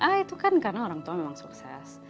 ah itu kan karena orang tua memang sukses